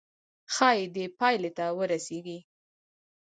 ښايي دې پايلې ته ورسيږئ.